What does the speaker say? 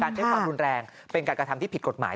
ใช้ความรุนแรงเป็นการกระทำที่ผิดกฎหมาย